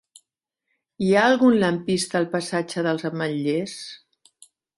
Hi ha algun lampista al passatge dels Ametllers?